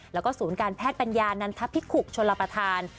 แล้วก็ศูนย์การแพทย์ปัญญานันทพิขุกชนลประธาน